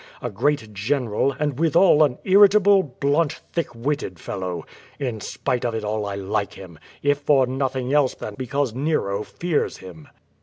A great general, and withal an irritable, blunt, thick witted fellow. In spite of it all I like him — ^if for nothing else than because Nero fears him."